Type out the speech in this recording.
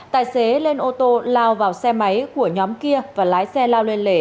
tài xế lên ô tô lao vào xe máy của nhóm kia và lái xe lao lên lề